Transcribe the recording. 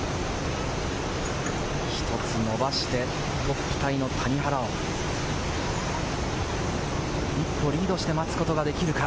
１つ伸ばして、トップタイの谷原を一歩リードして待つことができるか？